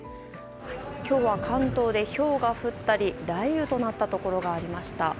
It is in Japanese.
今日は関東でひょうが降ったり雷雨となったところがありました。